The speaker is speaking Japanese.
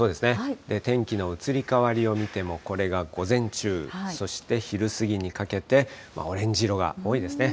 天気の移り変わりを見ても、これが午前中、そして昼過ぎにかけて、オレンジ色が多いですね。